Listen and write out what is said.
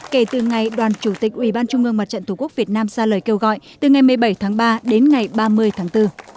kể từ ngày đoàn chủ tịch ubnd việt nam ra lời kêu gọi từ ngày một mươi bảy tháng ba đến ngày ba mươi tháng bốn